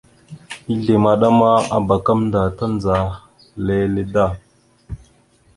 Ezle maɗa ma abak gamẹnda tandzəha lele da.